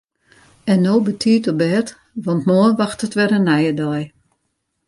En no betiid op bêd want moarn wachtet wer in nije dei.